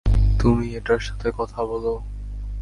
তুমি এটার সাথে কথা বলো?